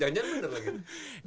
jangan jangan bener lagi